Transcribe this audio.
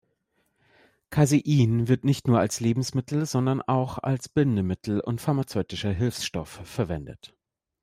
Casein wird nicht nur als Lebensmittel, sondern auch als Bindemittel und pharmazeutischer Hilfsstoff verwendet.